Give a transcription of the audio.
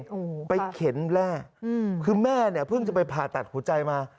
โอ้โหไปเข็นแร่อืมคือแม่เนี่ยเพิ่งจะไปผ่าตัดหัวใจมา